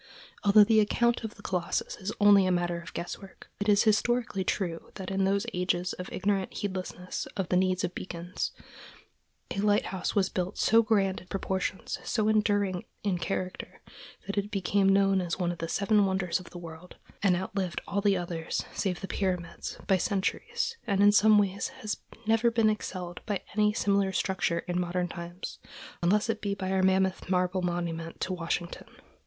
Although the account of the Colossus is only a matter of guesswork, it is historically true that in those ages of ignorant heedlessness of the need of beacons, a lighthouse was built so grand in proportions, so enduring in character, that it became known as one of the Seven Wonders of the World, and outlived all the others, save the Pyramids, by centuries, and in some ways has never been excelled by any similar structure in modern times, unless it be by our mammoth marble monument to Washington.